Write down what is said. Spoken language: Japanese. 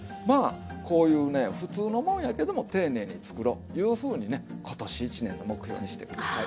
こういうねふつうのもんやけども丁寧につくろいうふうにね今年一年の目標にして下さい。